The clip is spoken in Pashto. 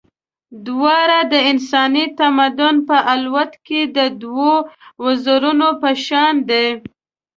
دواړه د انساني تمدن په الوت کې د دوو وزرونو په شان دي.